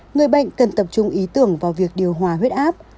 người bệnh cần tập trung ý tưởng vào việc điều hòa huyết áp